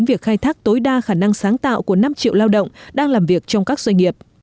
và nhiều doanh nghiệp trong các doanh nghiệp